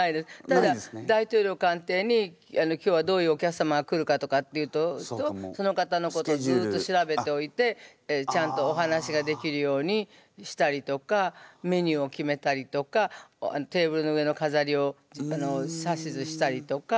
ただ大統領官邸に今日はどういうお客様が来るかとかっていうとその方のことをずっと調べておいてちゃんとお話ができるようにしたりとかメニューを決めたりとかテーブルの上のかざりを指図したりとか。